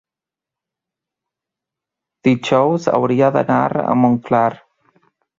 dijous hauria d'anar a Montclar.